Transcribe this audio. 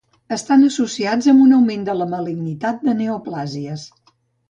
Estan associats amb un augment de la malignitat de neoplàsies.